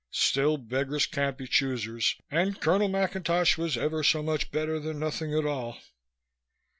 Still, beggars can't be choosers and Colonel McIntosh was ever so much better than nothing at all.